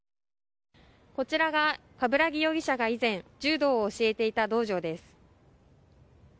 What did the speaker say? こちらが鏑木容疑者が以前柔道を教えていた道場です。